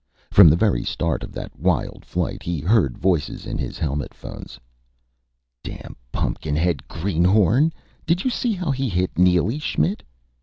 From the very start of that wild flight, he heard voices in his helmet phones: "Damn pun'kin head greenhorn! Did you see how he hit Neely, Schmidt?